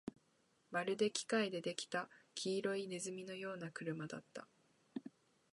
まるで機械で出来た黄色い鼠のような車だった